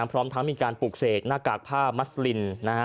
พร้อมทั้งมีการปลูกเสกหน้ากากผ้ามัสลิน